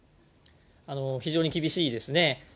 非常に厳しいですね。